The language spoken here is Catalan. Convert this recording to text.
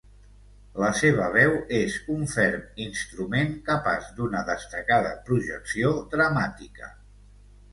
La seva veu és un ferm instrument capaç d'una destacada projecció dramàtica.